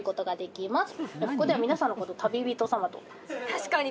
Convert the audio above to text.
確かに。